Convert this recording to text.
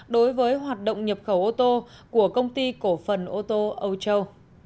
đối với hoạt động nhập khẩu ô tô của công ty cổ phần ô tô âu châu